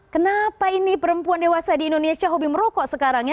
kenapa perempuan dewasa di indonesia hobi merokok sekarang